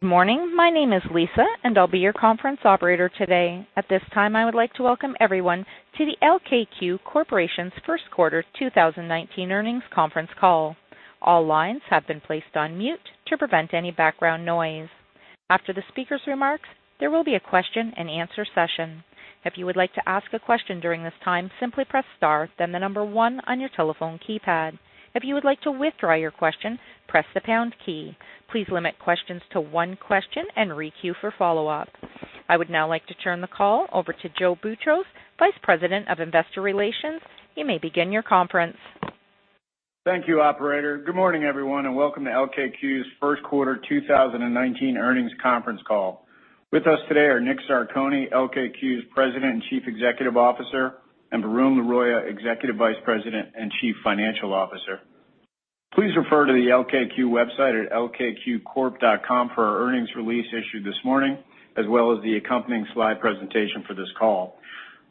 Good morning. My name is Lisa, and I'll be your conference operator today. At this time, I would like to welcome everyone to the LKQ Corporation's First Quarter 2019 earnings conference call. All lines have been placed on mute to prevent any background noise. After the speaker's remarks, there will be a question and answer session. If you would like to ask a question during this time, simply press star, then the number one on your telephone keypad. If you would like to withdraw your question, press the pound key. Please limit questions to one question and re-queue for follow-up. I would now like to turn the call over to Joe Boutross, Vice President of Investor Relations. You may begin your conference. Thank you, operator. Good morning, everyone, and welcome to LKQ's First Quarter 2019 earnings conference call. With us today are Nick Zarcone, LKQ's President and Chief Executive Officer, and Varun Laroyia, Executive Vice President and Chief Financial Officer. Please refer to the LKQ website at lkqcorp.com for our earnings release issued this morning, as well as the accompanying slide presentation for this call.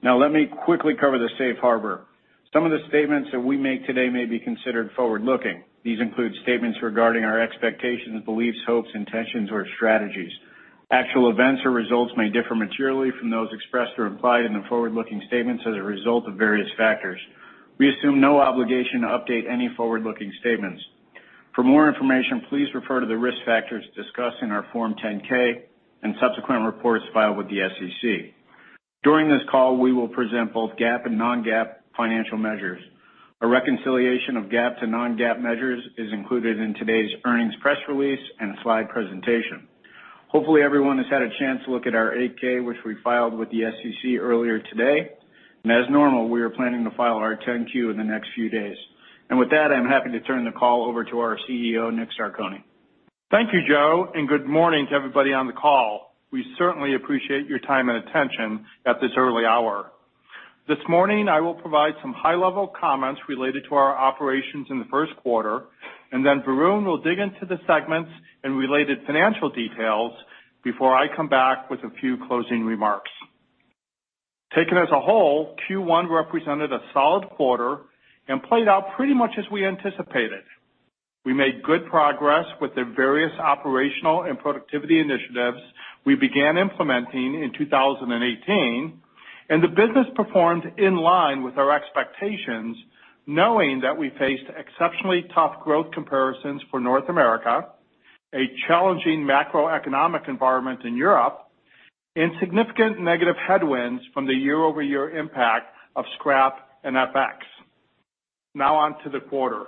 Let me quickly cover the safe harbor. Some of the statements that we make today may be considered forward-looking. These include statements regarding our expectations, beliefs, hopes, intentions, or strategies. Actual events or results may differ materially from those expressed or implied in the forward-looking statements as a result of various factors. We assume no obligation to update any forward-looking statements. For more information, please refer to the risk factors discussed in our Form 10-K and subsequent reports filed with the SEC. During this call, we will present both GAAP and non-GAAP financial measures. A reconciliation of GAAP to non-GAAP measures is included in today's earnings press release and slide presentation. Hopefully, everyone has had a chance to look at our 8-K, which we filed with the SEC earlier today. As normal, we are planning to file our 10-Q in the next few days. With that, I'm happy to turn the call over to our CEO, Dominick Zarcone. Thank you, Joe, and good morning to everybody on the call. We certainly appreciate your time and attention at this early hour. This morning, I will provide some high-level comments related to our operations in the first quarter, and then Varun will dig into the segments and related financial details before I come back with a few closing remarks. Taken as a whole, Q1 represented a solid quarter and played out pretty much as we anticipated. We made good progress with the various operational and productivity initiatives we began implementing in 2018, and the business performed in line with our expectations, knowing that we faced exceptionally tough growth comparisons for North America, a challenging macroeconomic environment in Europe, and significant negative headwinds from the year-over-year impact of scrap and FX. On to the quarter.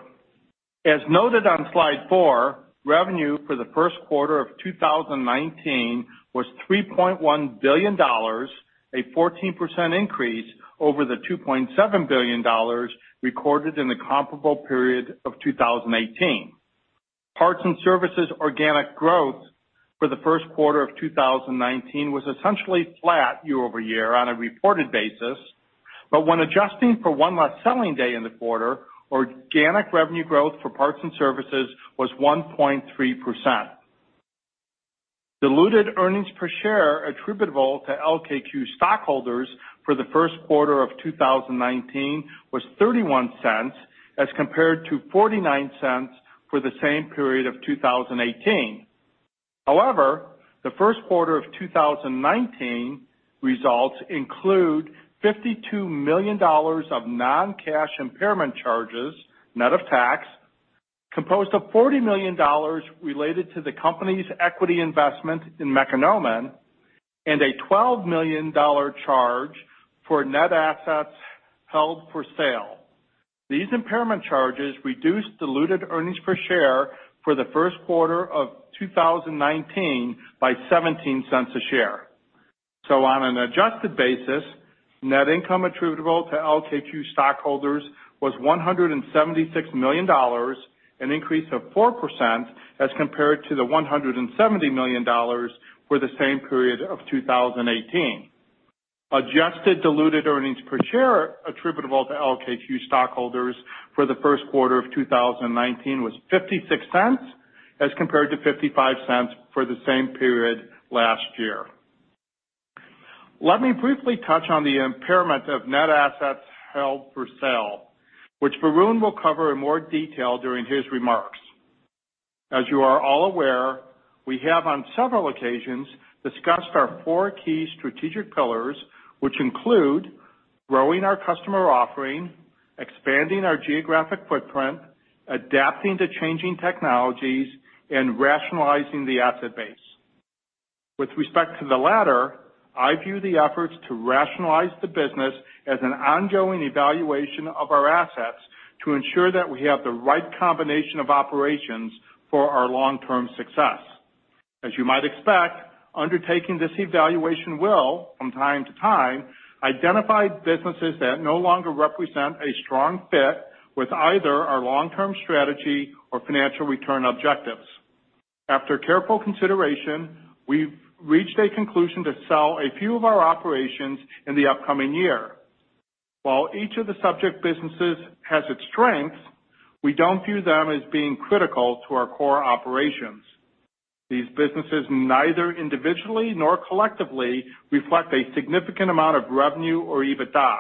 As noted on slide four, revenue for the first quarter of 2019 was $3.1 billion, a 14% increase over the $2.7 billion recorded in the comparable period of 2018. Parts and services organic growth for the first quarter of 2019 was essentially flat year-over-year on a reported basis. When adjusting for one less selling day in the quarter, organic revenue growth for parts and services was 1.3%. Diluted earnings per share attributable to LKQ stockholders for the first quarter of 2019 was $0.31 as compared to $0.49 for the same period of 2018. The first quarter of 2019 results include $52 million of non-cash impairment charges net of tax, composed of $40 million related to the company's equity investment in Mekonomen, and a $12 million charge for net assets held for sale. These impairment charges reduced diluted earnings per share for the first quarter of 2019 by $0.17 a share. On an adjusted basis, net income attributable to LKQ stockholders was $176 million, an increase of 4% as compared to the $170 million for the same period of 2018. Adjusted diluted earnings per share attributable to LKQ stockholders for the first quarter of 2019 was $0.56 as compared to $0.55 for the same period last year. Let me briefly touch on the impairment of net assets held for sale, which Varun will cover in more detail during his remarks. As you are all aware, we have on several occasions discussed our four key strategic pillars, which include growing our customer offering, expanding our geographic footprint, adapting to changing technologies, and rationalizing the asset base. With respect to the latter, I view the efforts to rationalize the business as an ongoing evaluation of our assets to ensure that we have the right combination of operations for our long-term success. As you might expect, undertaking this evaluation will, from time to time, identify businesses that no longer represent a strong fit with either our long-term strategy or financial return objectives. After careful consideration, we've reached a conclusion to sell a few of our operations in the upcoming year. While each of the subject businesses has its strengths, we don't view them as being critical to our core operations. These businesses neither individually nor collectively reflect a significant amount of revenue or EBITDA.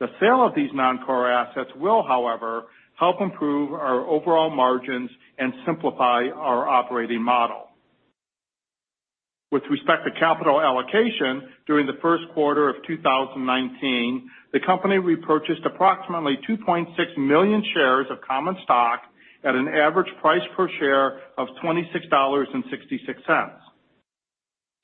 The sale of these non-core assets will, however, help improve our overall margins and simplify our operating model. With respect to capital allocation, during the first quarter of 2019, the company repurchased approximately 2.6 million shares of common stock at an average price per share of $26.66.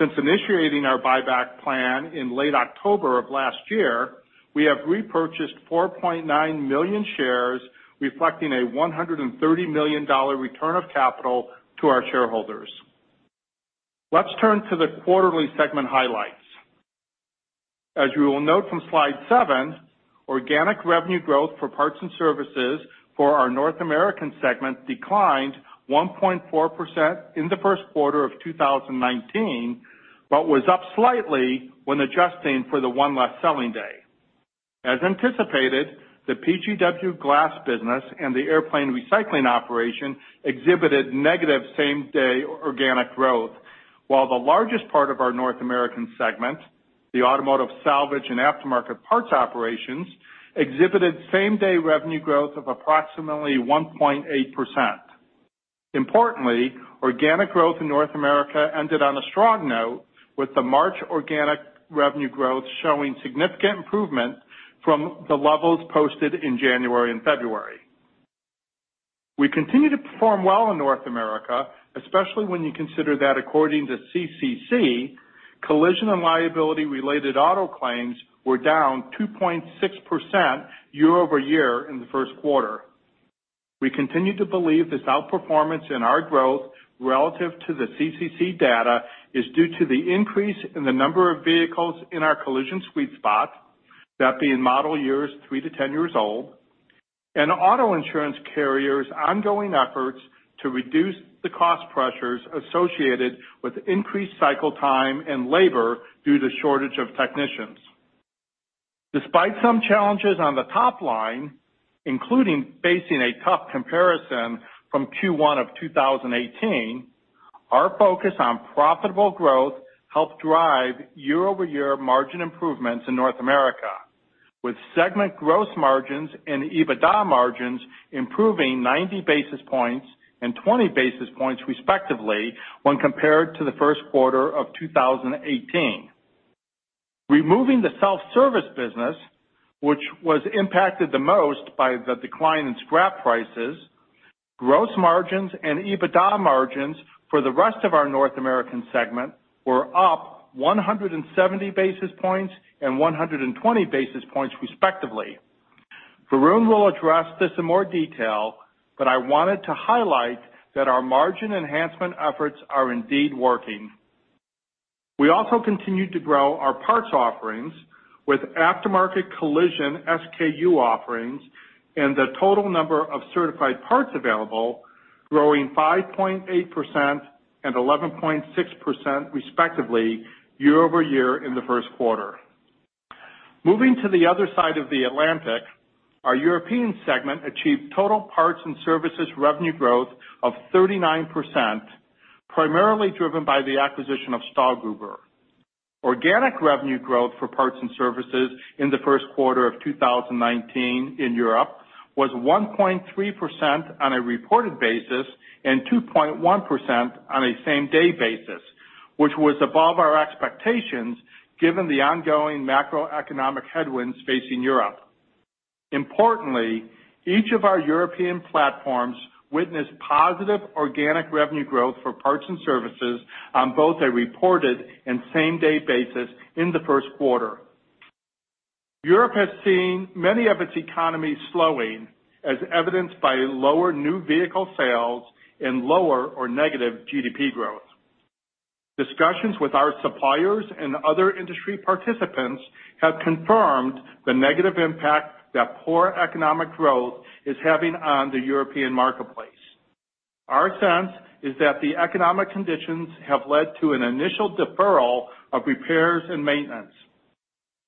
Since initiating our buyback plan in late October of last year, we have repurchased 4.9 million shares, reflecting a $130 million return of capital to our shareholders. Let's turn to the quarterly segment highlights. As you will note from slide seven, organic revenue growth for parts and services for our North American segment declined 1.4% in the first quarter of 2019, but was up slightly when adjusting for the one less selling day. As anticipated, the PGW glass business and the airplane recycling operation exhibited negative same-day organic growth. While the largest part of our North American segment, the automotive salvage and aftermarket parts operations, exhibited same-day revenue growth of approximately 1.8%. Importantly, organic growth in North America ended on a strong note with the March organic revenue growth showing significant improvement from the levels posted in January and February. We continue to perform well in North America, especially when you consider that according to CCC, collision and liability-related auto claims were down 2.6% year-over-year in the first quarter. We continue to believe this outperformance in our growth relative to the CCC data is due to the increase in the number of vehicles in our collision sweet spot, that being model years three to 10 years old, and auto insurance carriers' ongoing efforts to reduce the cost pressures associated with increased cycle time and labor due to shortage of technicians. Despite some challenges on the top line, including facing a tough comparison from Q1 of 2018, our focus on profitable growth helped drive year-over-year margin improvements in North America, with segment gross margins and EBITDA margins improving 90 basis points and 20 basis points respectively when compared to the first quarter of 2018. Removing the self-service business, which was impacted the most by the decline in scrap prices, gross margins and EBITDA margins for the rest of our North American segment were up 170 basis points and 120 basis points respectively. Varun will address this in more detail, but I wanted to highlight that our margin enhancement efforts are indeed working. We also continued to grow our parts offerings with aftermarket collision SKU offerings and the total number of certified parts available growing 5.8% and 11.6% respectively year-over-year in the first quarter. Moving to the other side of the Atlantic, our European segment achieved total parts and services revenue growth of 39%, primarily driven by the acquisition of Stahlgruber. Organic revenue growth for parts and services in the first quarter of 2019 in Europe was 1.3% on a reported basis and 2.1% on a same-day basis, which was above our expectations given the ongoing macroeconomic headwinds facing Europe. Importantly, each of our European platforms witnessed positive organic revenue growth for parts and services on both a reported and same-day basis in the first quarter. Europe has seen many of its economies slowing, as evidenced by lower new vehicle sales and lower or negative GDP growth. Discussions with our suppliers and other industry participants have confirmed the negative impact that poor economic growth is having on the European marketplace. Our sense is that the economic conditions have led to an initial deferral of repairs and maintenance.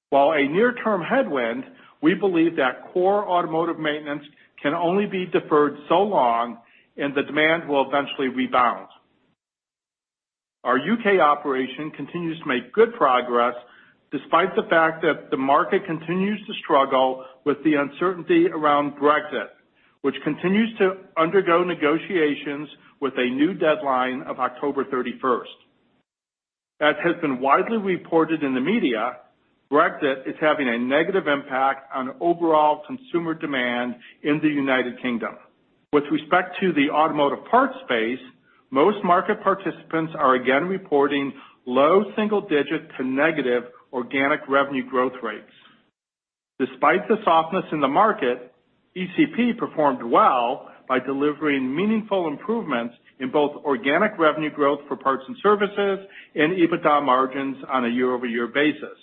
While a near-term headwind, we believe that core automotive maintenance can only be deferred so long and the demand will eventually rebound. Our U.K. operation continues to make good progress despite the fact that the market continues to struggle with the uncertainty around Brexit, which continues to undergo negotiations with a new deadline of October 31st. As has been widely reported in the media, Brexit is having a negative impact on overall consumer demand in the United Kingdom. With respect to the automotive parts space, most market participants are again reporting low single-digit to negative organic revenue growth rates. Despite the softness in the market, ECP performed well by delivering meaningful improvements in both organic revenue growth for parts and services and EBITDA margins on a year-over-year basis.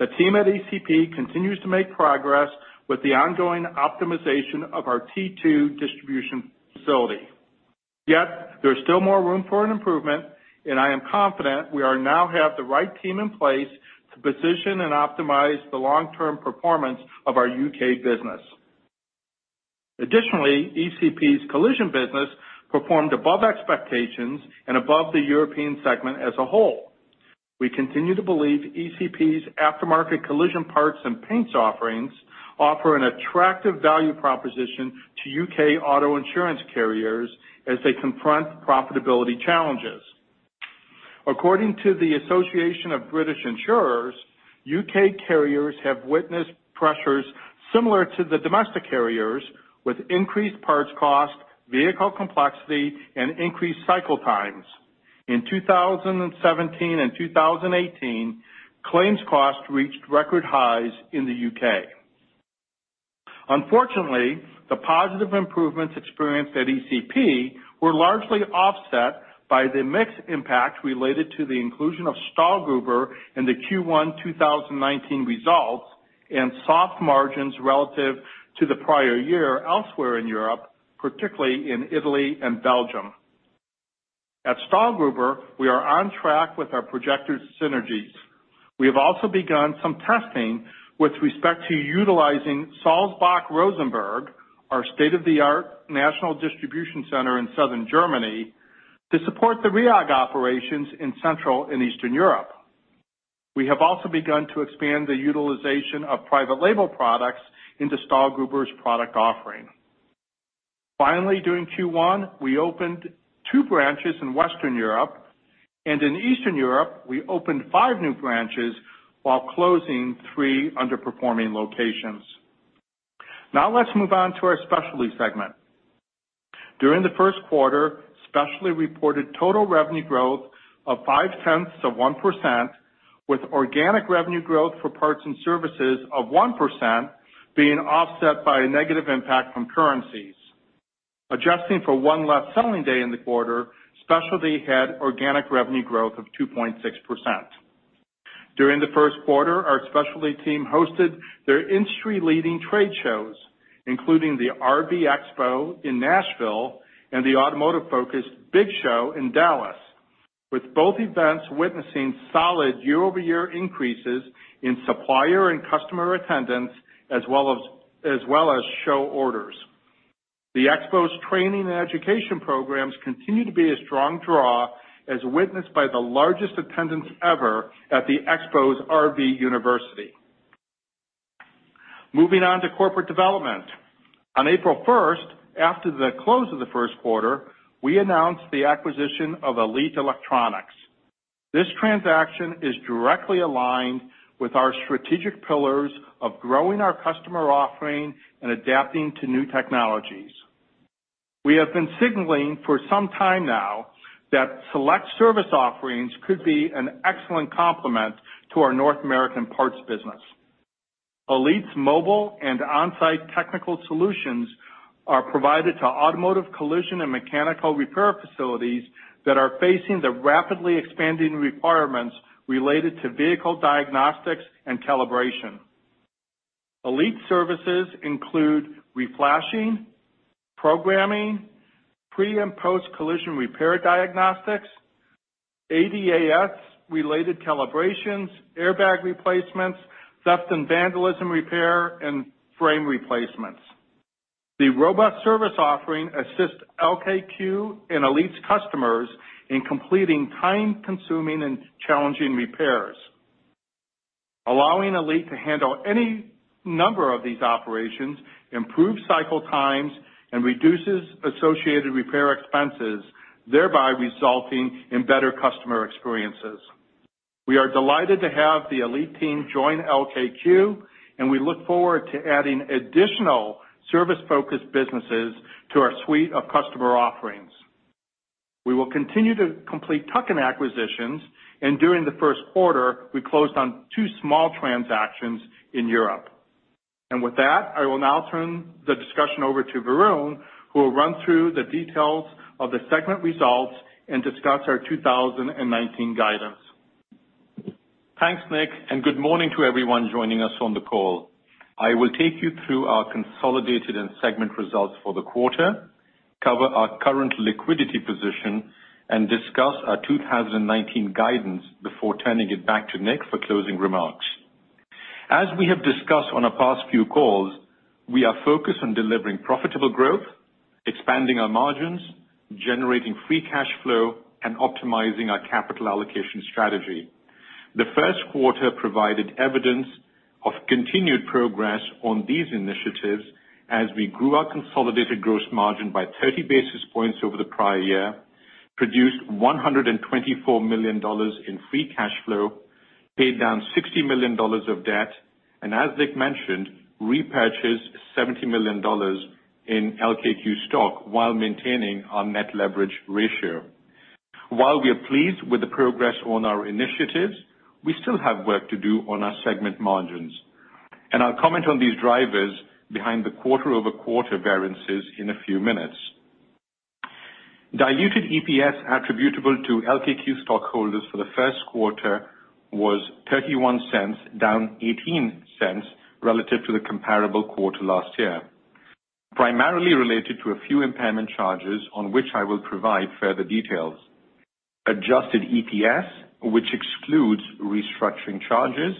The team at ECP continues to make progress with the ongoing optimization of our T2 distribution facility. Yet there is still more room for an improvement, and I am confident we now have the right team in place to position and optimize the long-term performance of our U.K. business. Additionally, ECP's collision business performed above expectations and above the European segment as a whole. We continue to believe ECP's aftermarket collision parts and paints offerings offer an attractive value proposition to U.K. auto insurance carriers as they confront profitability challenges. According to the Association of British Insurers, U.K. carriers have witnessed pressures similar to the domestic carriers with increased parts cost, vehicle complexity, and increased cycle times. In 2017 and 2018, claims costs reached record highs in the U.K. Unfortunately, the positive improvements experienced at ECP were largely offset by the mix impact related to the inclusion of Stahlgruber in the Q1 2019 results, and soft margins relative to the prior year elsewhere in Europe, particularly in Italy and Belgium. At Stahlgruber, we are on track with our projected synergies. We have also begun some testing with respect to utilizing Sulzbach-Rosenberg, our state-of-the-art national distribution center in Southern Germany, to support the Rhiag operations in Central and Eastern Europe. We have also begun to expand the utilization of private label products into Stahlgruber's product offering. Finally, during Q1, we opened two branches in Western Europe, and in Eastern Europe, we opened five new branches while closing three underperforming locations. Now let's move on to our specialty segment. During the first quarter, specialty reported total revenue growth of 0.5%, with organic revenue growth for parts and services of 1% being offset by a negative impact from currencies. Adjusting for one less selling day in the quarter, specialty had organic revenue growth of 2.6%. During the first quarter, our specialty team hosted their industry-leading trade shows, including the RV Expo in Nashville and the automotive-focused BIG Show in Dallas, with both events witnessing solid year-over-year increases in supplier and customer attendance, as well as show orders. The expos training and education programs continue to be a strong draw, as witnessed by the largest attendance ever at the expo's RV University. Moving on to corporate development. On April 1st, after the close of the first quarter, we announced the acquisition of Elite Electronics. This transaction is directly aligned with our strategic pillars of growing our customer offering and adapting to new technologies. We have been signaling for some time now that select service offerings could be an excellent complement to our North American parts business. Elite's mobile and on-site technical solutions are provided to automotive collision and mechanical repair facilities that are facing the rapidly expanding requirements related to vehicle diagnostics and calibration. Elite services include re-flashing, programming, pre- and post-collision repair diagnostics, ADAS-related calibrations, airbag replacements, theft and vandalism repair, and frame replacements. The robust service offering assists LKQ and Elite's customers in completing time-consuming and challenging repairs. Allowing Elite to handle any number of these operations improves cycle times and reduces associated repair expenses, thereby resulting in better customer experiences. We are delighted to have the Elite team join LKQ, and we look forward to adding additional service-focused businesses to our suite of customer offerings. We will continue to complete tuck-in acquisitions, and during the first quarter, we closed on two small transactions in Europe. With that, I will now turn the discussion over to Varun, who will run through the details of the segment results and discuss our 2019 guidance. Thanks, Nick, and good morning to everyone joining us on the call. I will take you through our consolidated and segment results for the quarter, cover our current liquidity position, and discuss our 2019 guidance before turning it back to Nick for closing remarks. As we have discussed on our past few calls, we are focused on delivering profitable growth, expanding our margins, generating free cash flow, and optimizing our capital allocation strategy. The first quarter provided evidence of continued progress on these initiatives as we grew our consolidated gross margin by 30 basis points over the prior year, produced $124 million in free cash flow, paid down $60 million of debt, and as Nick mentioned, repurchased $70 million in LKQ stock while maintaining our net leverage ratio. While we are pleased with the progress on our initiatives, we still have work to do on our segment margins. I'll comment on these drivers behind the quarter-over-quarter variances in a few minutes. Diluted EPS attributable to LKQ stockholders for the first quarter was $0.31, down $0.18 relative to the comparable quarter last year, primarily related to a few impairment charges on which I will provide further details. Adjusted EPS, which excludes restructuring charges,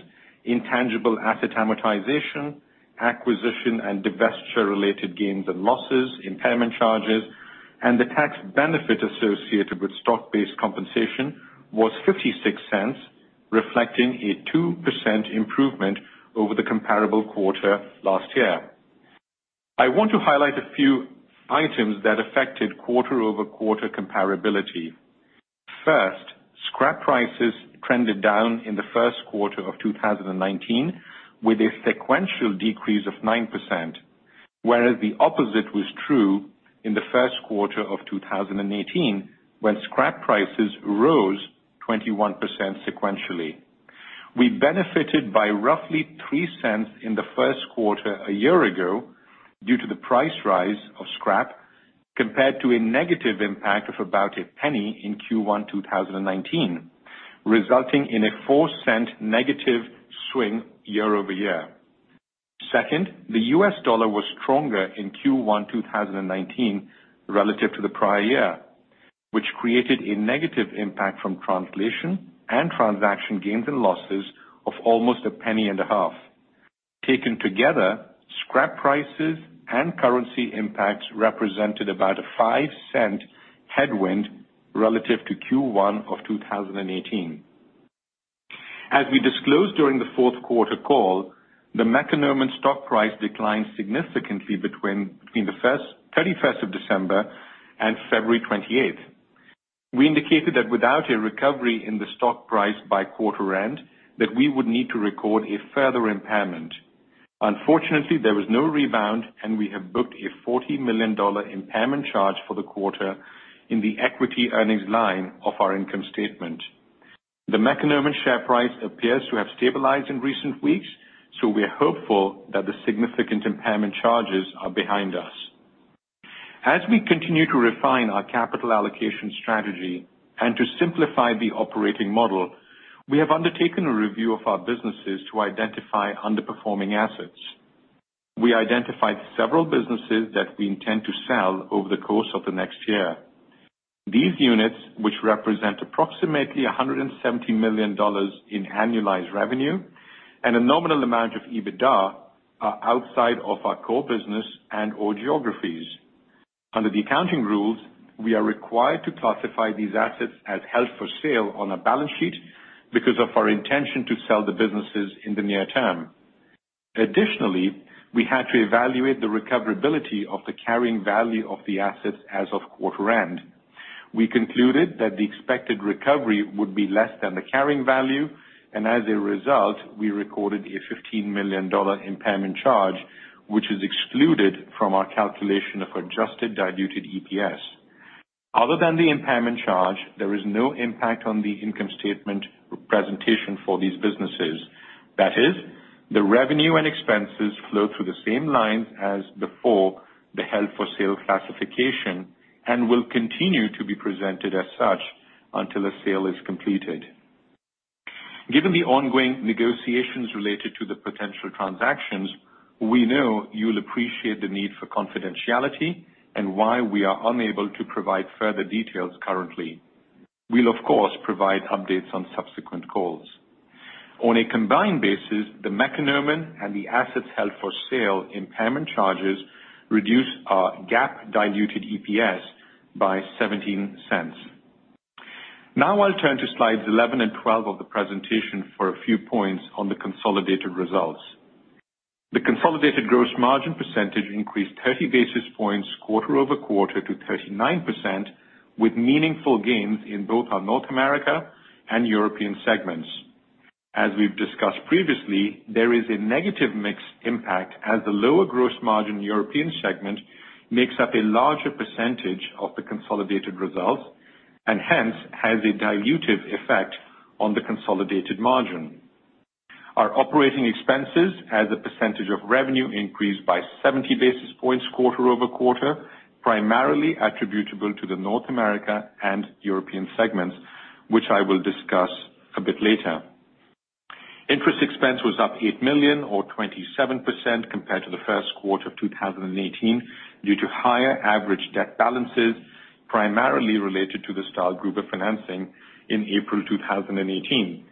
intangible asset amortization, acquisition and divestiture-related gains and losses, impairment charges, and the tax benefit associated with stock-based compensation, was $0.56, reflecting a 2% improvement over the comparable quarter last year. I want to highlight a few items that affected quarter-over-quarter comparability. First, scrap prices trended down in the first quarter of 2019 with a sequential decrease of 9%, whereas the opposite was true in the first quarter of 2018, when scrap prices rose 21% sequentially. We benefited by roughly $0.03 in the first quarter a year ago due to the price rise of scrap, compared to a negative impact of about $0.01 in Q1 2019, resulting in a $0.04 negative swing year-over-year. Second, the U.S. dollar was stronger in Q1 2019 relative to the prior year, which created a negative impact from translation and transaction gains and losses of almost $0.015. Taken together, scrap prices and currency impacts represented about a $0.05 headwind relative to Q1 of 2018. As we disclosed during the fourth quarter call, the Mekonomen stock price declined significantly between the 31st of December and February 28th. We indicated that without a recovery in the stock price by quarter end, that we would need to record a further impairment. Unfortunately, there was no rebound, we have booked a $40 million impairment charge for the quarter in the equity earnings line of our income statement. The Mekonomen share price appears to have stabilized in recent weeks, we're hopeful that the significant impairment charges are behind us. As we continue to refine our capital allocation strategy and to simplify the operating model, we have undertaken a review of our businesses to identify underperforming assets. We identified several businesses that we intend to sell over the course of the next year. These units, which represent approximately $170 million in annualized revenue and a nominal amount of EBITDA, are outside of our core business and/or geographies. Under the accounting rules, we are required to classify these assets as held for sale on a balance sheet because of our intention to sell the businesses in the near term. Additionally, we had to evaluate the recoverability of the carrying value of the assets as of quarter end. We concluded that the expected recovery would be less than the carrying value, as a result, we recorded a $15 million impairment charge, which is excluded from our calculation of adjusted diluted EPS. Other than the impairment charge, there is no impact on the income statement presentation for these businesses. That is, the revenue and expenses flow through the same lines as before the held for sale classification and will continue to be presented as such until a sale is completed. Given the ongoing negotiations related to the potential transactions, we know you'll appreciate the need for confidentiality and why we are unable to provide further details currently. We'll, of course, provide updates on subsequent calls. On a combined basis, the Mekonomen and the assets held for sale impairment charges reduce our GAAP diluted EPS by $0.17. I'll turn to slides 11 and 12 of the presentation for a few points on the consolidated results. The consolidated gross margin percentage increased 30 basis points quarter-over-quarter to 39%, with meaningful gains in both our North America and European segments. As we've discussed previously, there is a negative mix impact as the lower gross margin European segment makes up a larger percentage of the consolidated results, hence, has a dilutive effect on the consolidated margin. Our operating expenses as a percentage of revenue increased by 70 basis points quarter-over-quarter, primarily attributable to the North America and European segments, which I will discuss a bit later. Interest expense was up $8 million or 27% compared to the first quarter of 2018 due to higher average debt balances, primarily related to the Stahlgruber refinancing in April 2018.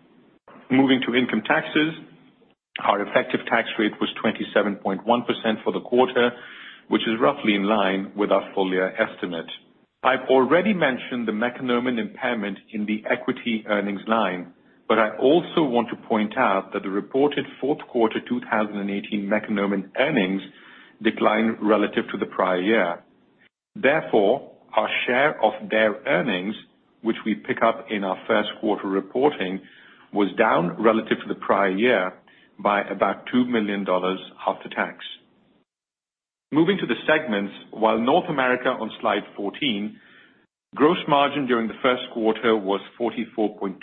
Moving to income taxes, our effective tax rate was 27.1% for the quarter, which is roughly in line with our full-year estimate. I've already mentioned the Mekonomen impairment in the equity earnings line, but I also want to point out that the reported fourth quarter 2018 Mekonomen earnings declined relative to the prior year. Therefore, our share of their earnings, which we pick up in our first quarter reporting, was down relative to the prior year by about $2 million after tax. Moving to the segments, while North America on slide 14, gross margin during the first quarter was 44.2%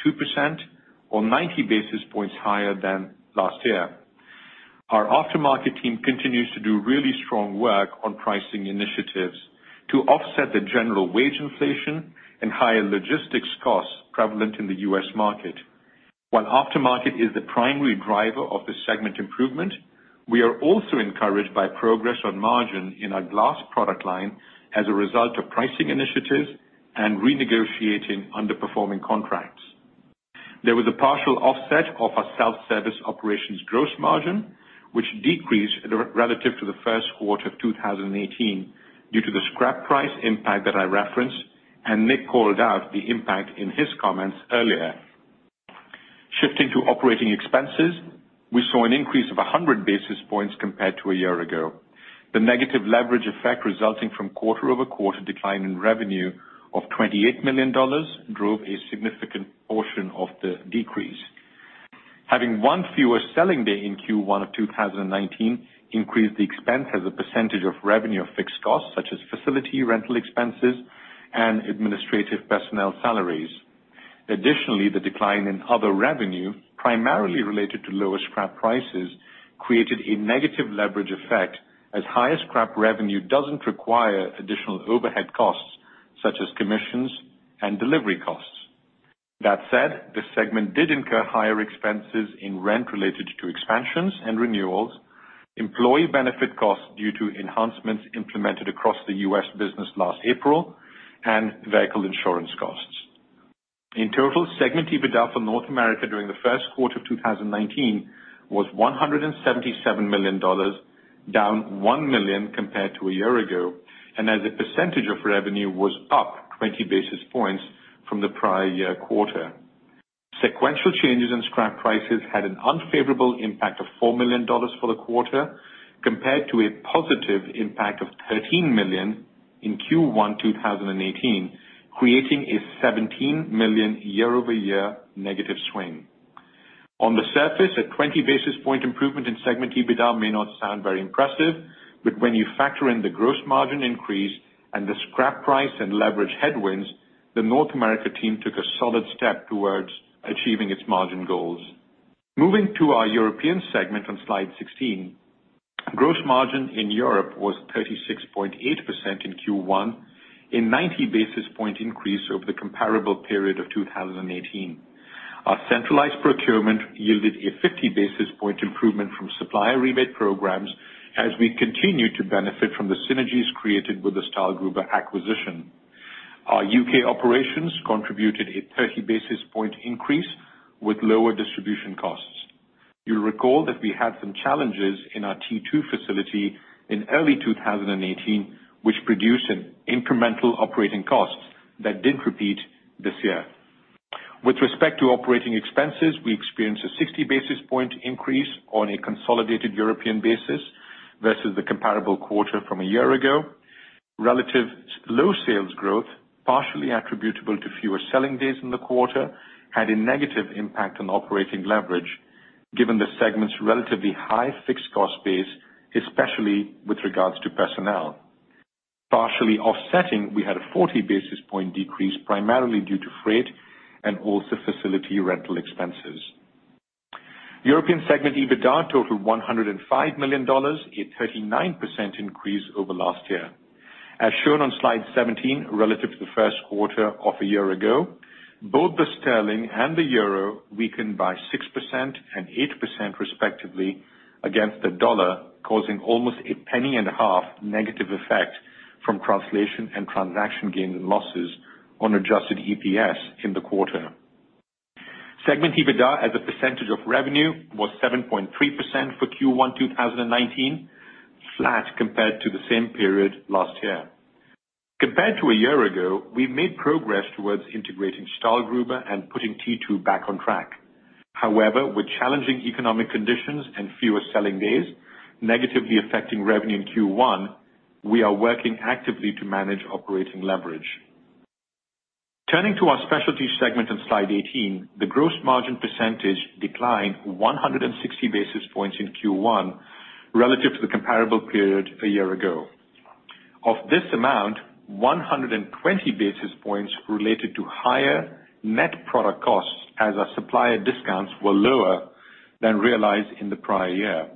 or 90 basis points higher than last year. Our aftermarket team continues to do really strong work on pricing initiatives to offset the general wage inflation and higher logistics costs prevalent in the U.S. market. While aftermarket is the primary driver of the segment improvement, we are also encouraged by progress on margin in our glass product line as a result of pricing initiatives and renegotiating underperforming contracts. There was a partial offset of our self-service operations gross margin, which decreased relative to the first quarter of 2018 due to the scrap price impact that I referenced, and Nick called out the impact in his comments earlier. Shifting to operating expenses, we saw an increase of 100 basis points compared to a year ago. The negative leverage effect resulting from quarter-over-quarter decline in revenue of $28 million drove a significant portion of the decrease. Having one fewer selling day in Q1 of 2019 increased the expense as a percentage of revenue of fixed costs such as facility rental expenses and administrative personnel salaries. Additionally, the decline in other revenue, primarily related to lower scrap prices, created a negative leverage effect, as higher scrap revenue doesn't require additional overhead costs such as commissions and delivery costs. That said, this segment did incur higher expenses in rent related to expansions and renewals, employee benefit costs due to enhancements implemented across the U.S. business last April, and vehicle insurance costs. In total, segment EBITDA for North America during the first quarter of 2019 was $177 million, down $1 million compared to a year ago, and as a percentage of revenue was up 20 basis points from the prior year quarter. Sequential changes in scrap prices had an unfavorable impact of $4 million for the quarter, compared to a positive impact of $13 million in Q1 2018, creating a $17 million year-over-year negative swing. On the surface, a 20 basis point improvement in segment EBITDA may not sound very impressive, but when you factor in the gross margin increase and the scrap price and leverage headwinds, the North America team took a solid step towards achieving its margin goals. Moving to our European segment on slide 16. Gross margin in Europe was 36.8% in Q1, a 90 basis point increase over the comparable period of 2018. Our centralized procurement yielded a 50 basis point improvement from supplier rebate programs as we continue to benefit from the synergies created with the Stahlgruber acquisition. Our U.K. operations contributed a 30 basis point increase with lower distribution costs. You'll recall that we had some challenges in our T2 facility in early 2018, which produced incremental operating costs that didn't repeat this year. With respect to operating expenses, we experienced a 60 basis point increase on a consolidated European basis versus the comparable quarter from a year ago. Relative low sales growth, partially attributable to fewer selling days in the quarter, had a negative impact on operating leverage given the segment's relatively high fixed cost base, especially with regards to personnel. Partially offsetting, we had a 40 basis point decrease, primarily due to freight and also facility rental expenses. European segment EBITDA totaled $105 million, a 39% increase over last year. As shown on slide 17, relative to the first quarter of a year ago, both the sterling and the EUR weakened by 6% and 8% respectively against the dollar, causing almost a $0.015 negative effect from translation and transaction gains and losses on adjusted EPS in the quarter. Segment EBITDA as a percentage of revenue was 7.3% for Q1 2019, flat compared to the same period last year. Compared to a year ago, we've made progress towards integrating Stahlgruber and putting T2 back on track. However, with challenging economic conditions and fewer selling days negatively affecting revenue in Q1, we are working actively to manage operating leverage. Turning to our specialty segment on slide 18, the gross margin percentage declined 160 basis points in Q1 relative to the comparable period a year ago. Of this amount, 120 basis points related to higher net product costs as our supplier discounts were lower than realized in the prior year.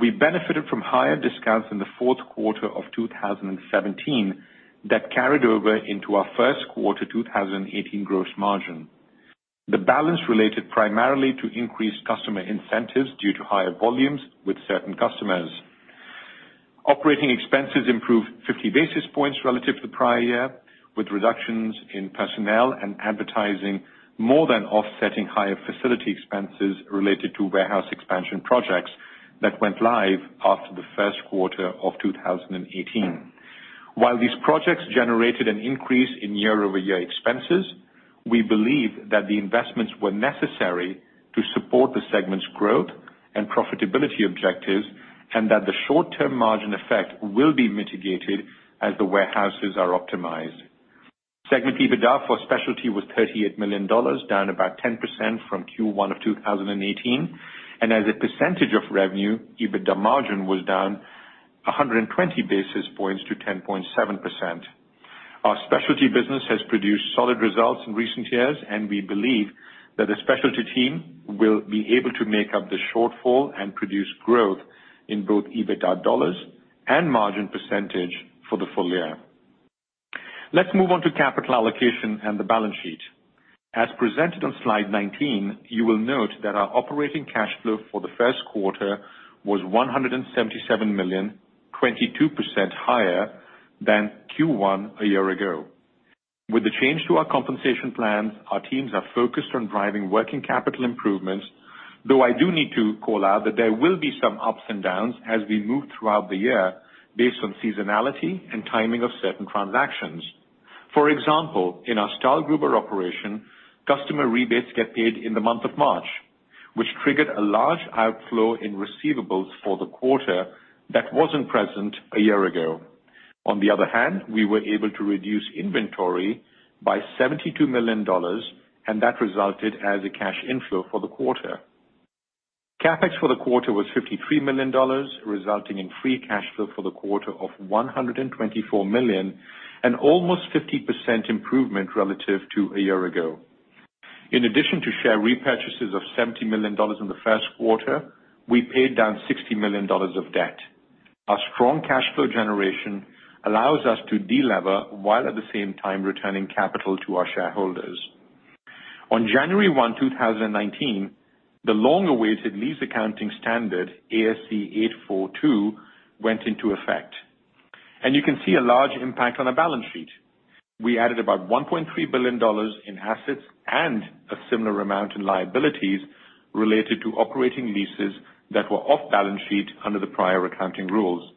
We benefited from higher discounts in the fourth quarter of 2017 that carried over into our first quarter 2018 gross margin. The balance related primarily to increased customer incentives due to higher volumes with certain customers. Operating expenses improved 50 basis points relative to the prior year, with reductions in personnel and advertising more than offsetting higher facility expenses related to warehouse expansion projects that went live after the first quarter of 2018. While these projects generated an increase in year-over-year expenses, we believe that the investments were necessary to support the segment's growth and profitability objectives, and that the short-term margin effect will be mitigated as the warehouses are optimized. Segment EBITDA for specialty was $38 million, down about 10% from Q1 of 2018. As a percentage of revenue, EBITDA margin was down 120 basis points to 10.7%. Our specialty business has produced solid results in recent years, and we believe that the specialty team will be able to make up the shortfall and produce growth in both EBITDA dollars and margin percentage for the full year. Let's move on to capital allocation and the balance sheet. As presented on slide 19, you will note that our operating cash flow for the first quarter was $177 million, 22% higher than Q1 a year ago. With the change to our compensation plans, our teams are focused on driving working capital improvements. Though I do need to call out that there will be some ups and downs as we move throughout the year based on seasonality and timing of certain transactions. For example, in our Stahlgruber operation, customer rebates get paid in the month of March, which triggered a large outflow in receivables for the quarter that wasn't present a year ago. On the other hand, we were able to reduce inventory by $72 million, and that resulted as a cash inflow for the quarter. CapEx for the quarter was $53 million, resulting in free cash flow for the quarter of $124 million, an almost 50% improvement relative to a year ago. In addition to share repurchases of $70 million in the first quarter, we paid down $60 million of debt. Our strong cash flow generation allows us to de-lever while at the same time returning capital to our shareholders. On January 1, 2019, the long-awaited lease accounting standard, ASC 842, went into effect. You can see a large impact on our balance sheet. We added about $1.3 billion in assets and a similar amount in liabilities related to operating leases that were off balance sheet under the prior accounting rules.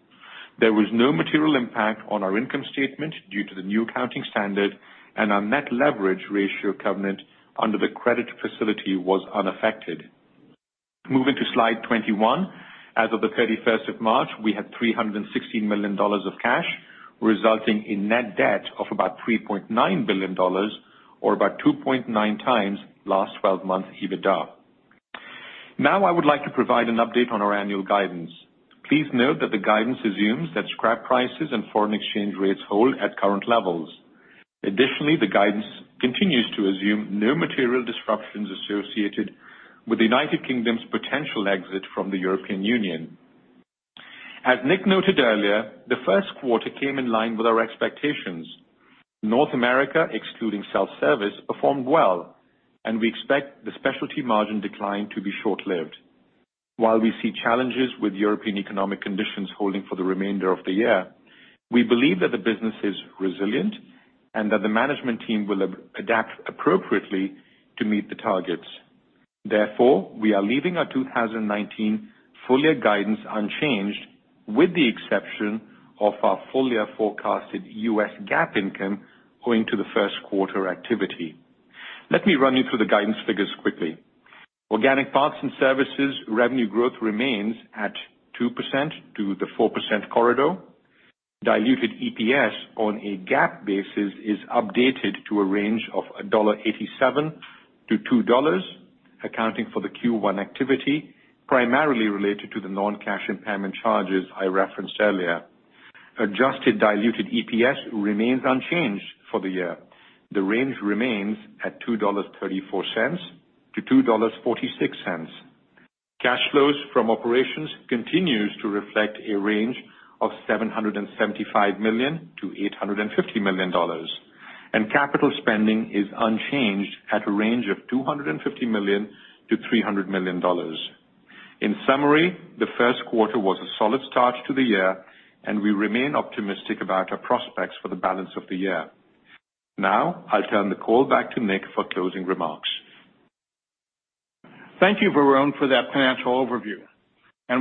There was no material impact on our income statement due to the new accounting standard, and our net leverage ratio covenant under the credit facility was unaffected. Moving to slide 21. As of the 31st of March, we had $316 million of cash, resulting in net debt of about $3.9 billion or about 2.9 times last 12-month EBITDA. I would like to provide an update on our annual guidance. Please note that the guidance assumes that scrap prices and foreign exchange rates hold at current levels. Additionally, the guidance continues to assume no material disruptions associated with the U.K.'s potential exit from the European Union. As Nick noted earlier, the first quarter came in line with our expectations. North America, excluding self-service, performed well, and we expect the specialty margin decline to be short-lived. While we see challenges with European economic conditions holding for the remainder of the year, we believe that the business is resilient and that the management team will adapt appropriately to meet the targets. We are leaving our 2019 full-year guidance unchanged, with the exception of our full-year forecasted U.S. GAAP income owing to the first quarter activity. Let me run you through the guidance figures quickly. Organic parts and services revenue growth remains at 2%-4% corridor. Diluted EPS on a GAAP basis is updated to a range of $1.87-$2, accounting for the Q1 activity, primarily related to the non-cash impairment charges I referenced earlier. Adjusted diluted EPS remains unchanged for the year. The range remains at $2.34-$2.46. Cash flows from operations continues to reflect a range of $775 million-$850 million. Capital spending is unchanged at a range of $250 million-$300 million. In summary, the first quarter was a solid start to the year, and we remain optimistic about our prospects for the balance of the year. I'll turn the call back to Nick for closing remarks. Thank you, Varun, for that financial overview.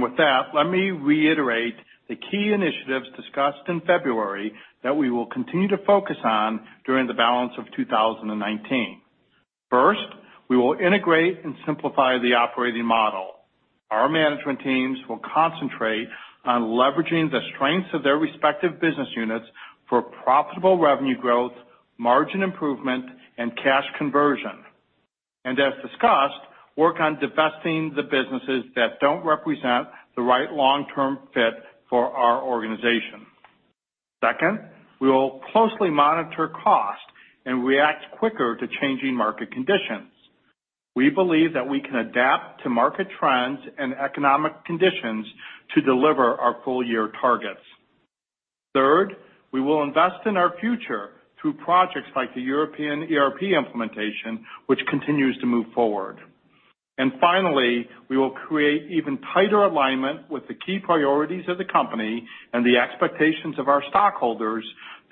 With that, let me reiterate the key initiatives discussed in February that we will continue to focus on during the balance of 2019. First, we will integrate and simplify the operating model. Our management teams will concentrate on leveraging the strengths of their respective business units for profitable revenue growth, margin improvement, and cash conversion. As discussed, work on divesting the businesses that don't represent the right long-term fit for our organization. Second, we will closely monitor cost and react quicker to changing market conditions. We believe that we can adapt to market trends and economic conditions to deliver our full-year targets. Third, we will invest in our future through projects like the European ERP implementation, which continues to move forward. Finally, we will create even tighter alignment with the key priorities of the company and the expectations of our stockholders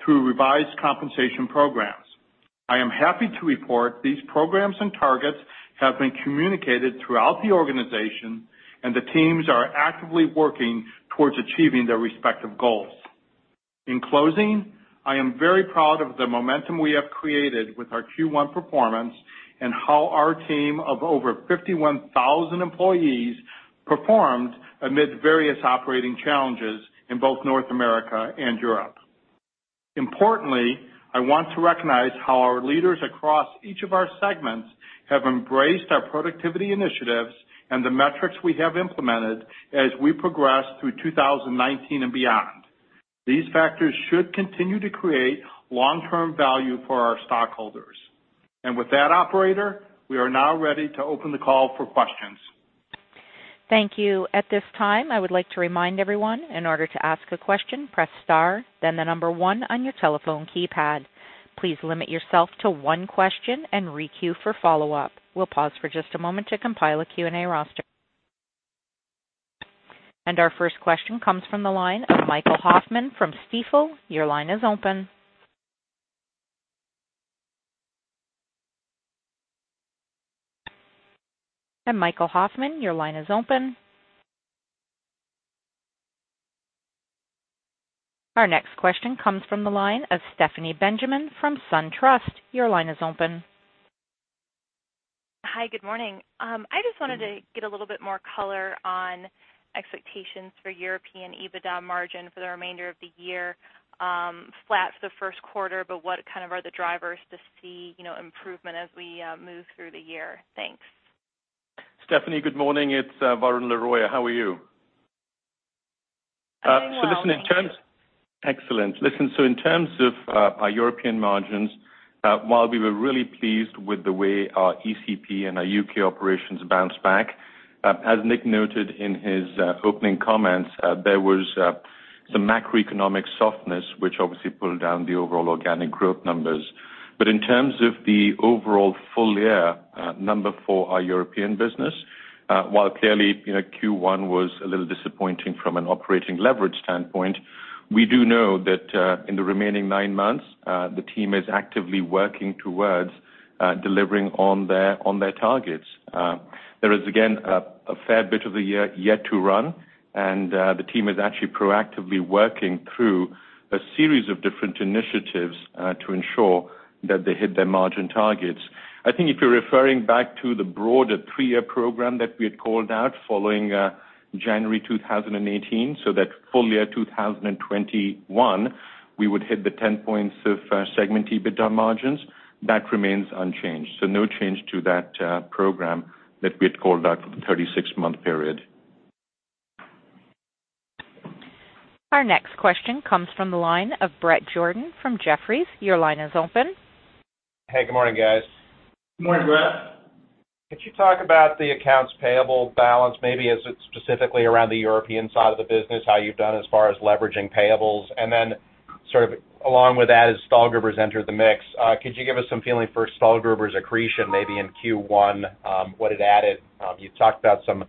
through revised compensation programs. I am happy to report these programs and targets have been communicated throughout the organization, and the teams are actively working towards achieving their respective goals. In closing, I am very proud of the momentum we have created with our Q1 performance and how our team of over 51,000 employees performed amid various operating challenges in both North America and Europe. Importantly, I want to recognize how our leaders across each of our segments have embraced our productivity initiatives and the metrics we have implemented as we progress through 2019 and beyond. These factors should continue to create long-term value for our stockholders. With that, operator, we are now ready to open the call for questions. Thank you. At this time, I would like to remind everyone, in order to ask a question, press star then the number 1 on your telephone keypad. Please limit yourself to one question and re-queue for follow-up. We'll pause for just a moment to compile a Q&A roster. Our first question comes from the line of Michael Hoffman from Stifel. Your line is open. Michael Hoffman, your line is open. Our next question comes from the line of Stephanie Benjamin from SunTrust. Your line is open. Hi. Good morning. I just wanted to get a little bit more color on expectations for European EBITDA margin for the remainder of the year. Flat for the first quarter, what are the drivers to see improvement as we move through the year? Thanks. Stephanie, good morning. It's Varun Laroyia. How are you? I'm well, thank you. Excellent. Listen, in terms of our European margins, while we were really pleased with the way our ECP and our U.K. operations bounced back, as Nick noted in his opening comments, there was some macroeconomic softness, which obviously pulled down the overall organic growth numbers. In terms of the overall full-year number for our European business, while clearly Q1 was a little disappointing from an operating leverage standpoint, we do know that in the remaining nine months, the team is actively working towards delivering on their targets. There is, again, a fair bit of the year yet to run, and the team is actually proactively working through a series of different initiatives to ensure that they hit their margin targets. I think if you're referring back to the broader three-year program that we had called out following January 2018, that full year 2021, we would hit the 10 points of segment EBITDA margins. That remains unchanged. No change to that program that we had called out for the 36-month period. Our next question comes from the line of Bret Jordan from Jefferies. Your line is open. Hey, good morning, guys. Good morning, Bret. Could you talk about the accounts payable balance, maybe as it's specifically around the European side of the business, how you've done as far as leveraging payables? Sort of along with that, as Stahlgruber's entered the mix, could you give us some feeling for Stahlgruber's accretion, maybe in Q1, what it added? You talked about some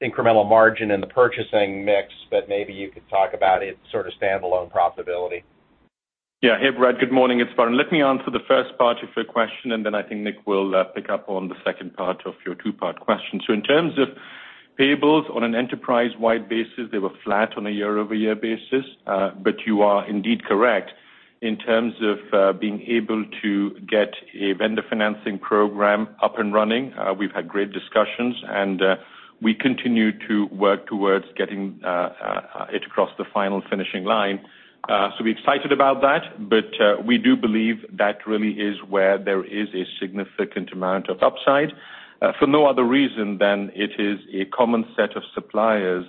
incremental margin in the purchasing mix, but maybe you could talk about its sort of standalone profitability. Yeah. Hey, Bret, good morning. It's Varun. Let me answer the first part of your question, I think Nick will pick up on the second part of your two-part question. In terms of payables on an enterprise-wide basis, they were flat on a year-over-year basis. You are indeed correct in terms of being able to get a vendor financing program up and running. We've had great discussions, and we continue to work towards getting it across the final finishing line. We're excited about that, but we do believe that really is where there is a significant amount of upside. For no other reason than it is a common set of suppliers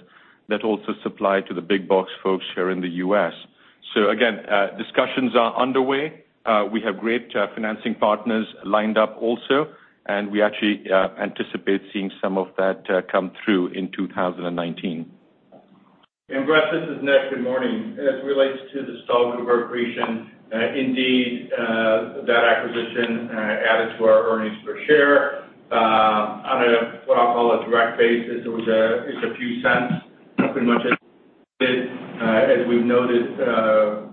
that also supply to the big box folks here in the U.S. Again, discussions are underway. We actually anticipate seeing some of that come through in 2019. Bret, this is Nick. Good morning. As it relates to the Stahlgruber accretion, indeed, that acquisition added to our earnings per share. On a, what I'll call a direct basis, it's a few cents. Pretty much as we've noted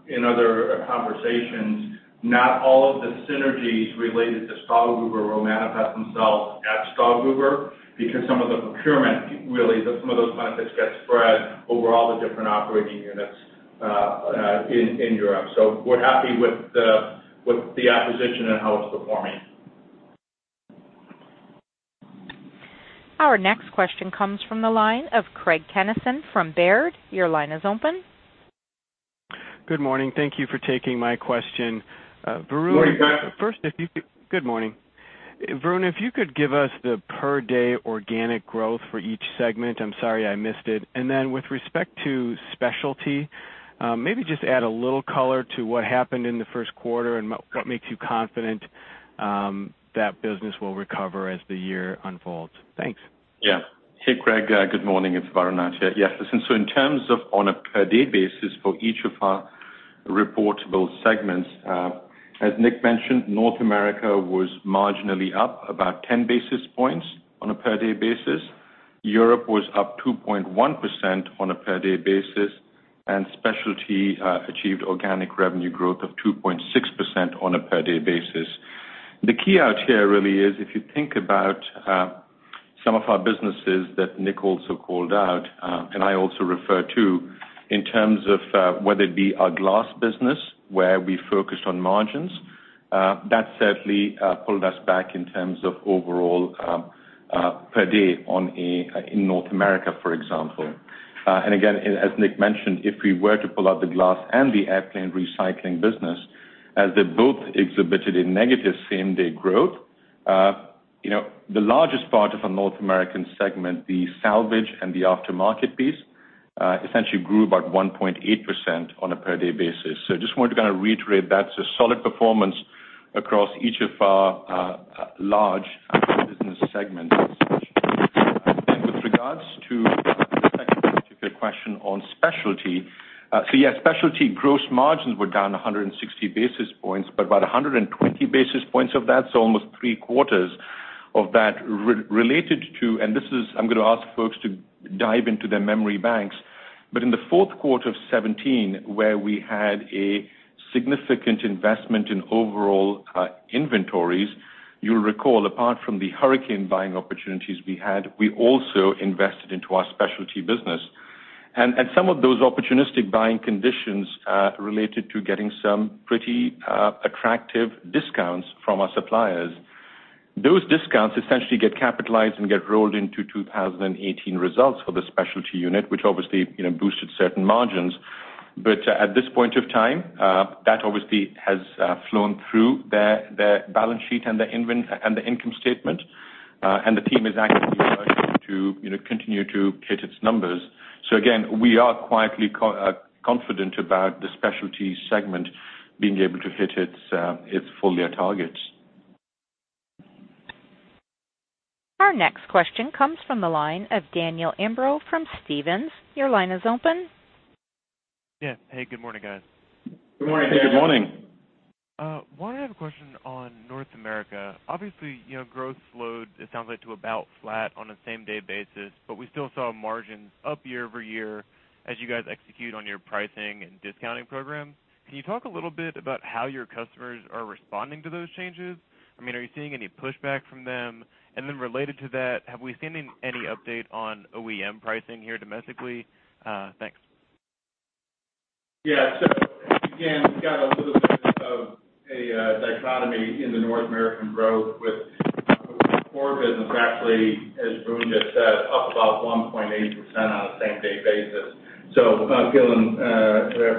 in other conversations, not all of the synergies related to Stahlgruber will manifest themselves at Stahlgruber because some of the procurement really, some of those benefits get spread over all the different operating units in Europe. We're happy with the acquisition and how it's performing. Our next question comes from the line of Craig Kennison from Baird. Your line is open. Good morning. Thank you for taking my question. Morning, Craig. Good morning. Varun, if you could give us the per-day organic growth for each segment. I'm sorry I missed it. Then with respect to Specialty, maybe just add a little color to what happened in the first quarter and what makes you confident that business will recover as the year unfolds. Thanks. Yeah. Hey, Craig. Good morning. It's Varun. Yes. Listen, in terms of on a per-day basis for each of our reportable segments, as Nick mentioned, North America was marginally up about 10 basis points on a per-day basis. Europe was up 2.1% on a per-day basis, and Specialty achieved organic revenue growth of 2.6% on a per-day basis. The key out here really is if you think about some of our businesses that Nick also called out, and I also refer to in terms of whether it be our glass business where we focused on margins, that certainly pulled us back in terms of overall per day in North America, for example. Again, as Nick mentioned, if we were to pull out the glass and the airplane recycling business, as they both exhibited a negative same-day growth. The largest part of our North American segment, the salvage and the aftermarket piece, essentially grew about 1.8% on a per-day basis. Just wanted to kind of reiterate that's a solid performance across each of our large business segments. With regards to the second particular question on Specialty, yes, Specialty gross margins were down 160 basis points, about 120 basis points of that, almost three quarters of that, related to I'm going to ask folks to dive into their memory banks, in the fourth quarter of 2017, where we had a significant investment in overall inventories, you'll recall, apart from the hurricane buying opportunities we had, we also invested into our Specialty business. Some of those opportunistic buying conditions related to getting some pretty attractive discounts from our suppliers. Those discounts essentially get capitalized and get rolled into 2018 results for the specialty unit, which obviously boosted certain margins. At this point of time, that obviously has flown through their balance sheet and their income statement. The team is actively working to continue to hit its numbers. Again, we are quietly confident about the specialty segment being able to hit its full-year targets. Our next question comes from the line of Daniel Imbro from Stephens. Your line is open. Yeah. Hey, good morning, guys. Good morning, Daniel. Good morning. Well, I have a question on North America. Obviously, growth slowed, it sounds like, to about flat on a same-day basis, but we still saw margins up year-over-year as you guys execute on your pricing and discounting programs. Can you talk a little bit about how your customers are responding to those changes? Are you seeing any pushback from them? Related to that, have we seen any update on OEM pricing here domestically? Thanks. Yeah. Again, we've got a little bit of a dichotomy in the North American growth with the core business actually, as Varun said, up about 1.8% on a same-day basis. I'm feeling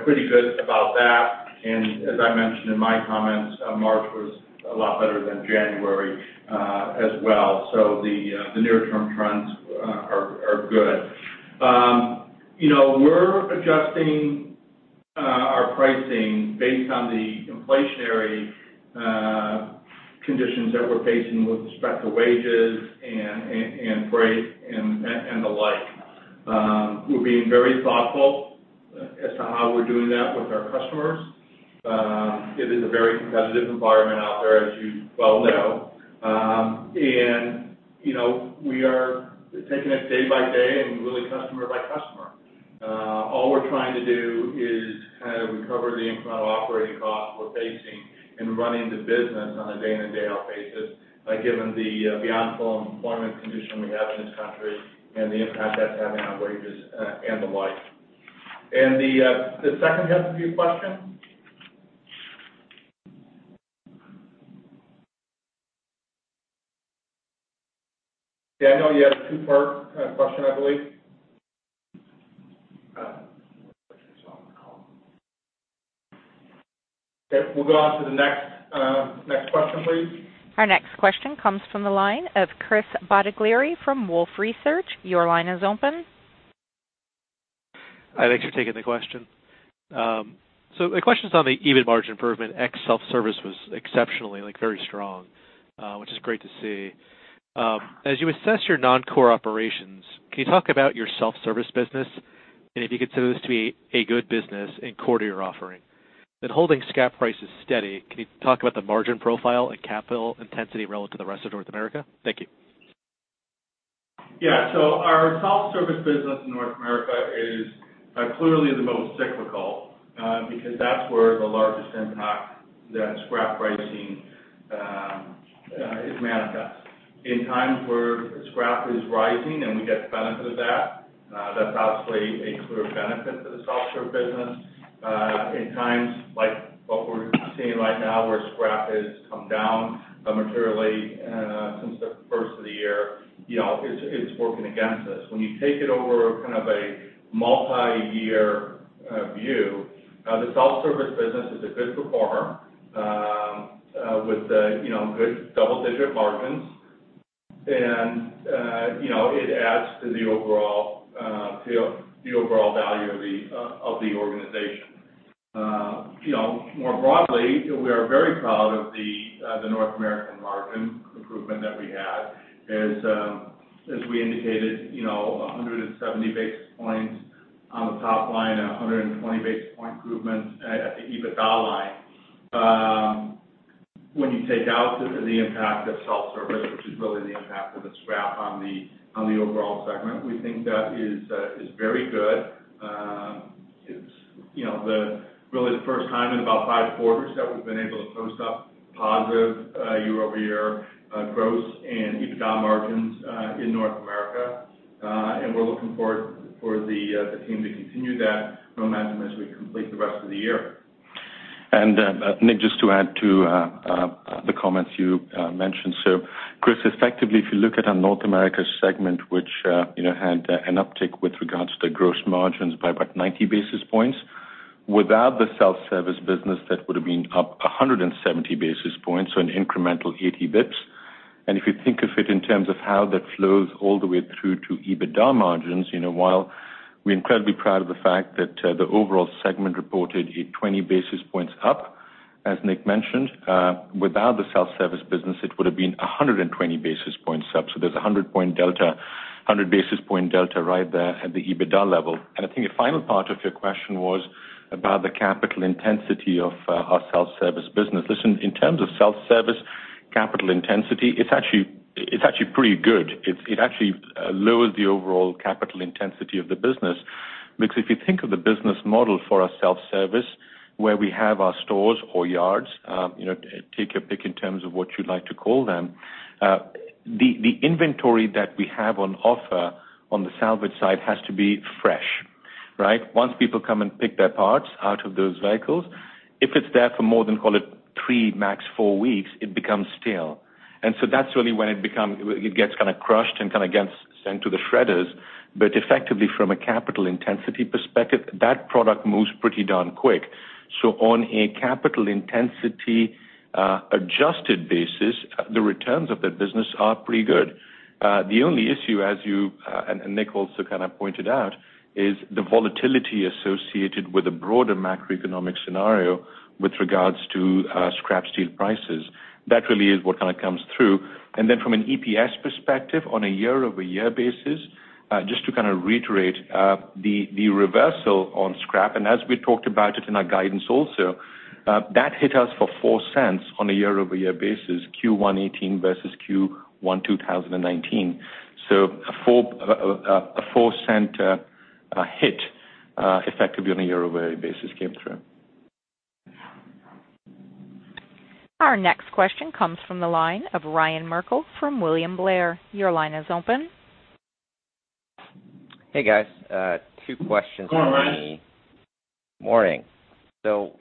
pretty good about that. As I mentioned in my comments, March was a lot better than January as well. The near-term trends are good. We're adjusting our pricing based on the inflationary conditions that we're facing with respect to wages and freight and the like. We're being very thoughtful as to how we're doing that with our customers. It is a very competitive environment out there, as you well know. We are taking it day by day and really customer by customer. All we're trying to do is kind of recover the incremental operating costs we're facing in running the business on a day-in and day-out basis, given the beyond full employment condition we have in this country and the impact that's having on wages and the like. The second half of your question? Daniel, you had a two-part kind of question, I believe. Next question is on the call. Okay. We'll go on to the next question, please. Our next question comes from the line of Chris Bottiglieri from Wolfe Research. Your line is open. Hi, thanks for taking the question. The question's on the EBIT margin improvement. Ex self-service was exceptionally very strong, which is great to see. As you assess your non-core operations, can you talk about your self-service business and if you consider this to be a good business and core to your offering? Holding scrap prices steady, can you talk about the margin profile and capital intensity relative to the rest of North America? Thank you. Yeah. Our self-service business in North America is clearly the most cyclical because that's where the largest impact that scrap pricing is manifest. In times where scrap is rising and we get the benefit of that's obviously a clear benefit to the self-service business. In times like what we're seeing right now, where scrap has come down materially since the first of the year, it's working against us. When you take it over kind of a multi-year view, the self-service business is a good performer with good double-digit margins, and it adds to the overall value of the organization. More broadly, we are very proud of the North American margin improvement that we had. As we indicated, 170 basis points on the top line and 120 basis point improvement at the EBITDA line. When you take out the impact of self-service, which is really the impact of the scrap on the overall segment, we think that is very good. It's really the first time in about five quarters that we've been able to post up positive year-over-year growth and EBITDA margins in North America. We're looking for the team to continue that momentum as we complete the rest of the year. Nick, just to add to the comments you mentioned. Chris, effectively, if you look at our North America segment, which had an uptick with regards to the gross margins by about 90 basis points. Without the self-service business, that would have been up [170 basis points], so an incremental 80 basis points. If you think of it in terms of how that flows all the way through to EBITDA margins, while we're incredibly proud of the fact that the overall segment reported a 20 basis points up, as Nick mentioned, without the self-service business, it would've been 120 basis points up. There's 100 basis point delta right there at the EBITDA level. I think the final part of your question was about the capital intensity of our self-service business. Listen, in terms of self-service capital intensity, it's actually pretty good. It actually lowers the overall capital intensity of the business. If you think of the business model for our self-service, where we have our stores or yards, take your pick in terms of what you'd like to call them, the inventory that we have on offer on the salvage side has to be fresh. Right? Once people come and pick their parts out of those vehicles, if it's there for more than, call it three, max four weeks, it becomes stale. That's really when it gets crushed and gets sent to the shredders. Effectively from a capital intensity perspective, that product moves pretty darn quick. On a capital intensity adjusted basis, the returns of that business are pretty good. The only issue, and Nick also kind of pointed out, is the volatility associated with the broader macroeconomic scenario with regards to scrap steel prices. That really is what comes through. From an EPS perspective, on a year-over-year basis, just to reiterate, the reversal on scrap, and as we talked about it in our guidance also, that hit us for $0.04 on a year-over-year basis, Q1 2018 versus Q1 2019. A $0.04 hit effectively on a year-over-year basis came through. Our next question comes from the line of Ryan Merkel from William Blair. Your line is open. Hey, guys. Two questions for me. Good morning. Morning.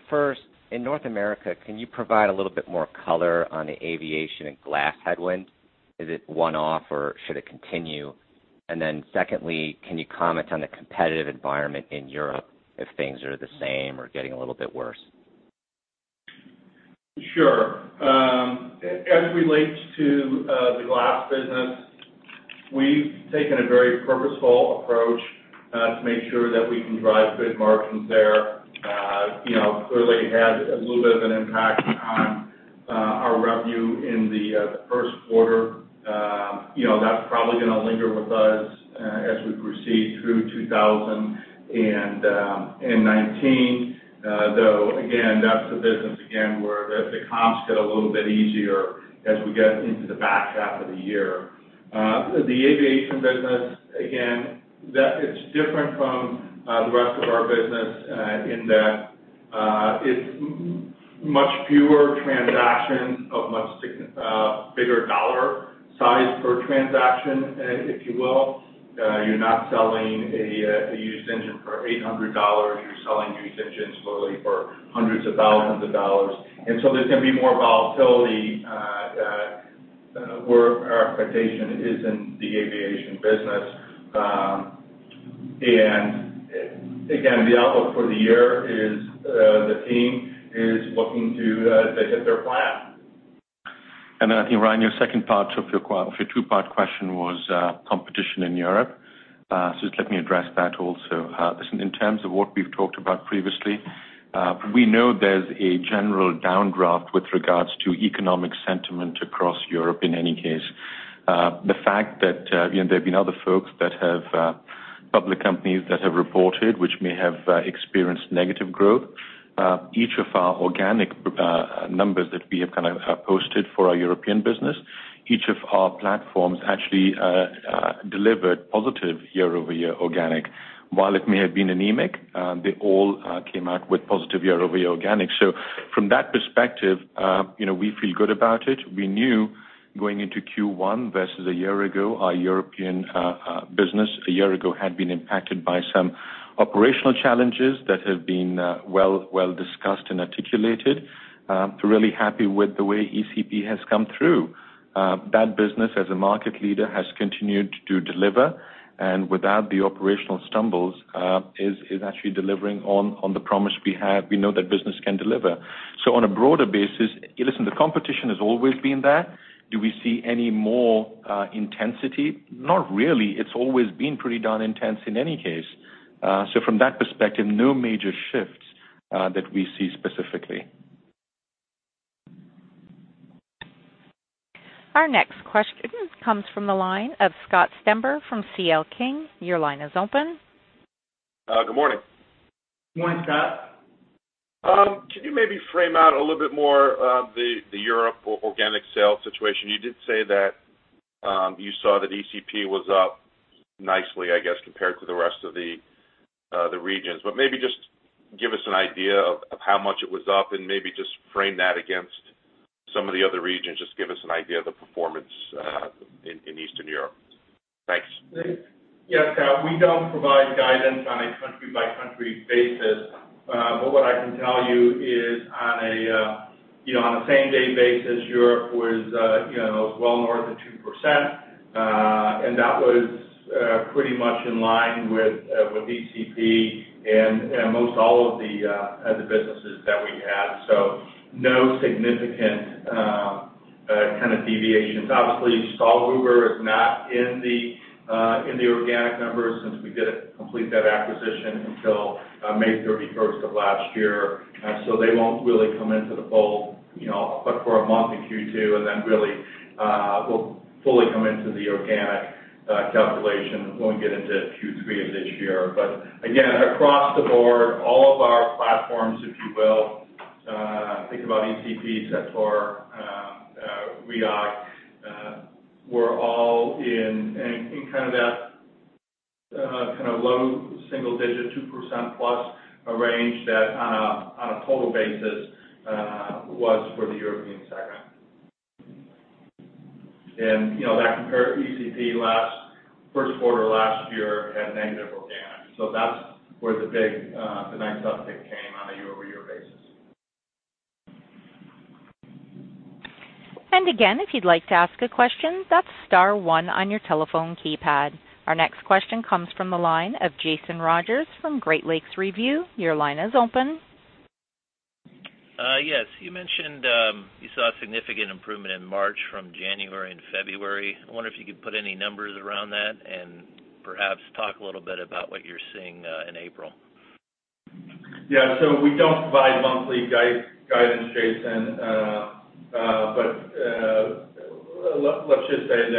First, in North America, can you provide a little bit more color on the aviation and glass headwind? Is it one-off or should it continue? Secondly, can you comment on the competitive environment in Europe, if things are the same or getting a little bit worse? Sure. As it relates to the glass business, we've taken a very purposeful approach to make sure that we can drive good margins there. Clearly, it had a little bit of an impact on our revenue in the first quarter. That's probably going to linger with us as we proceed through 2019. Though, again, that's the business where the comps get a little bit easier as we get into the back half of the year. The aviation business, again, that is different from the rest of our business in that it's much fewer transactions of much bigger dollar size per transaction, if you will. You're not selling a used engine for $800. You're selling used engines really for hundreds of thousands of dollars. There's going to be more volatility where our expectation is in the aviation business. Again, the outlook for the year is the team is looking to hit their plan. I think, Ryan, your second part of your two-part question was competition in Europe. Just let me address that also. Listen, in terms of what we've talked about previously, we know there's a general downdraft with regards to economic sentiment across Europe, in any case. The fact that there've been other folks, public companies that have reported, which may have experienced negative growth. Each of our organic numbers that we have posted for our European business, each of our platforms actually delivered positive year-over-year organic. While it may have been anemic, they all came out with positive year-over-year organic. From that perspective, we feel good about it. We knew going into Q1 versus a year ago, our European business a year ago had been impacted by some operational challenges that have been well discussed and articulated. Really happy with the way ECP has come through. That business, as a market leader, has continued to deliver, and without the operational stumbles, is actually delivering on the promise we know that business can deliver. On a broader basis, listen, the competition has always been there. Do we see any more intensity? Not really. It's always been pretty darn intense in any case. From that perspective, no major shifts that we see specifically. Our next question comes from the line of Scott Stember from C.L. King. Your line is open. Good morning. Good morning, Scott. Can you maybe frame out a little bit more the Europe organic sales situation? You did say that you saw that ECP was up nicely, I guess, compared to the rest of the regions. Maybe just give us an idea of how much it was up and maybe just frame that against some of the other regions. Just give us an idea of the performance in Eastern Europe. Thanks. Yes, Scott. We don't provide guidance on a country-by-country basis. What I can tell you is on a same-day basis, Europe was well north percent, that was pretty much in line with ECP and most all of the businesses that we had. No significant kind of deviations. Obviously, Stahlgruber is not in the organic numbers since we didn't complete that acquisition until May 31st of last year. They won't really come into the fold, but for a month in Q2, and then really will fully come into the organic calculation when we get into Q3 of this year. Again, across the board, all of our platforms, if you will, think about ECP, Cepar, WEOC, were all in that kind of low single-digit, 2%+ range that on a total basis was for the European segment. That compared to ECP first quarter last year had negative organic. That's where the big, the nice uptick came on a year-over-year basis. Again, if you'd like to ask a question, that's star one on your telephone keypad. Our next question comes from the line of Jason Rogers from Great Lakes Review. Your line is open. Yes. You mentioned you saw a significant improvement in March from January and February. I wonder if you could put any numbers around that and perhaps talk a little bit about what you're seeing in April. Yeah. We don't provide monthly guidance, Jason, but let's just say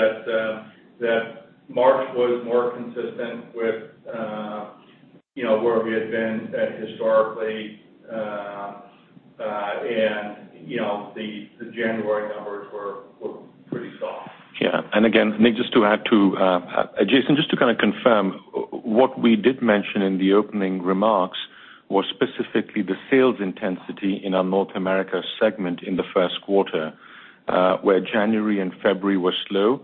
that March was more consistent with where we had been historically. The January numbers were pretty soft. Yeah. Again, Nick, just to add too, Jason, just to kind of confirm, what we did mention in the opening remarks was specifically the sales intensity in our North America segment in the first quarter. Where January and February were slow,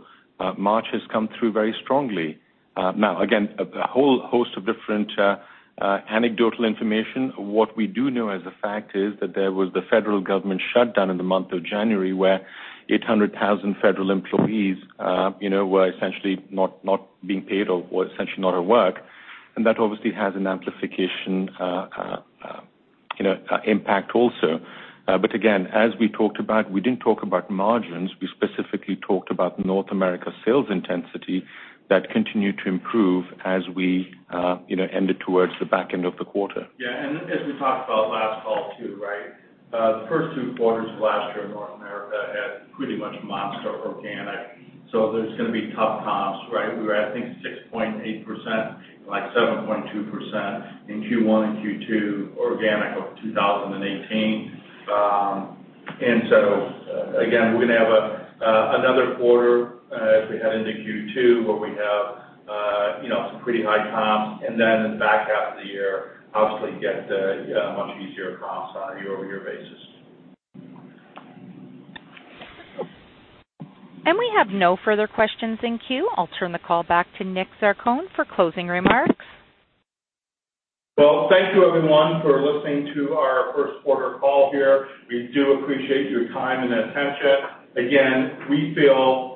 March has come through very strongly. Again, a whole host of different anecdotal information. What we do know as a fact is that there was the federal government shutdown in the month of January, where 800,000 federal employees were essentially not being paid or were essentially not at work. That obviously has an amplification impact also. Again, as we talked about, we didn't talk about margins. We specifically talked about North America sales intensity that continued to improve as we ended towards the back end of the quarter. Yeah. As we talked about last call too, the first two quarters of last year in North America had pretty much monster organic, so there's going to be tough comps. We were at, I think, 6.8%, like 7.2% in Q1 and Q2 organic of 2018. Again, we're going to have another quarter as we head into Q2 where we have some pretty high comps. Then in the back half of the year, obviously get much easier comps on a year-over-year basis. We have no further questions in queue. I'll turn the call back to Nick Zarcone for closing remarks. Well, thank you everyone for listening to our first quarter call here. We do appreciate your time and attention. We feel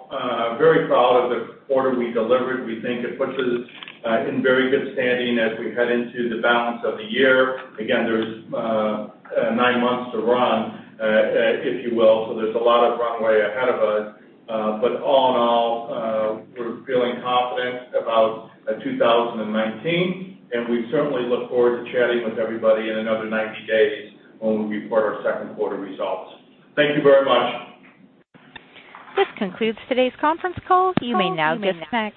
very proud of the quarter we delivered. We think it puts us in very good standing as we head into the balance of the year. There's nine months to run, if you will, so there's a lot of runway ahead of us. All in all, we're feeling confident about 2019, and we certainly look forward to chatting with everybody in another 90 days when we report our second quarter results. Thank you very much. This concludes today's conference call. You may now disconnect.